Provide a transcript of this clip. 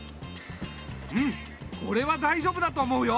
うんこれはだいじょうぶだと思うよ。